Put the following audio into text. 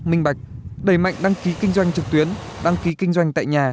minh bạch đẩy mạnh đăng ký kinh doanh trực tuyến đăng ký kinh doanh tại nhà